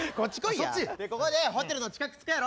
ここでホテルの近く着くやろ？